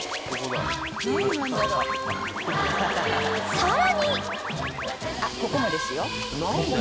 ［さらに］